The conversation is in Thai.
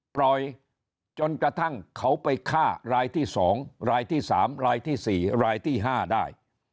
จนกระทั่งเขาไปฆ่ารายที่๒รายที่๓รายที่๔รายที่๕ได้